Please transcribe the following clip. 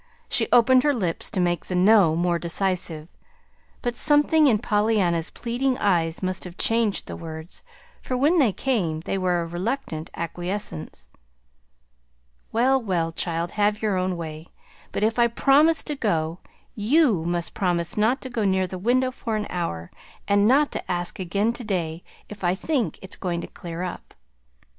She opened her lips to make the "no" more decisive; but something in Pollyanna's pleading eyes must have changed the words, for when they came they were a reluctant acquiescence. "Well, well, child, have your own way. But if I promise to go, YOU must promise not to go near the window for an hour, and not to ask again to day if I think it's going to clear up."